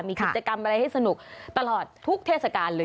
มีกิจกรรมอะไรให้สนุกตลอดทุกเทศกาลเลย